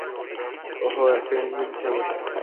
ওহ, একটা ইঞ্জিন হিসাবে।